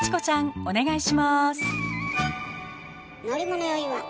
お願いします。